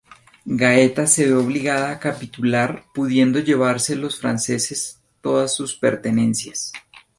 Gaeta se ve obligada a capitular, pudiendo llevarse los franceses todas sus pertenencias.